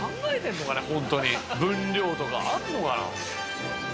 分量とかあるのかな。